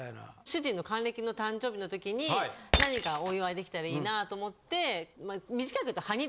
主人の還暦の誕生日の時に何かお祝いできたらいいなと思って短くいうと。